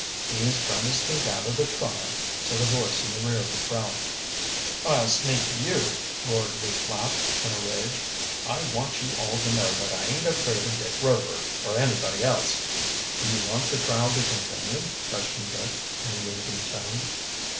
"He's trying to sneak out of the trial," said a voice in the rear of the crowd. "I'll sneak you!" roared Lew Flap, in a rage. "I want you all to know that I ain't afraid of Dick Rover, or anybody else." "Do you want the trial to continue?" questioned Dick, in an even tone.